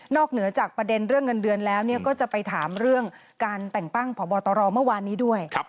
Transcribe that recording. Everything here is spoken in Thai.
เหนือจากประเด็นเรื่องเงินเดือนแล้วก็จะไปถามเรื่องการแต่งตั้งพบตรเมื่อวานนี้ด้วย